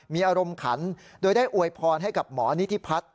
มีอารมณ์ขันโดยได้อวยพรให้กับหมอนิธิพัฒน์